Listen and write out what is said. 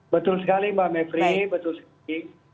betul sekali mbak mepri betul sekali